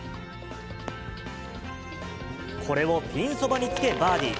これをピンそばにつけバーディー。